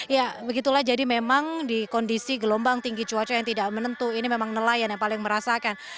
ya begitulah jadi memang di kondisi gelombang tinggi cuaca yang tidak menentu ini memang nelayan yang paling merasakan